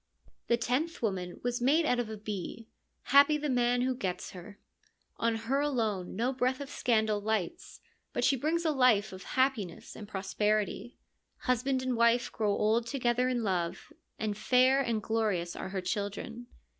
The tenth woman was made out of a bee : happy the man who gets her ! On her alone no breath of scandal lights, but she brings a life of happiness and prosperity. Husband and wife grow old together in love, and fair and glorious are her children.